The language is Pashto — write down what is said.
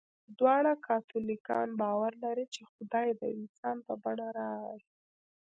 دواړه کاتولیکان باور لري، چې خدای د انسان په بڼه راغی.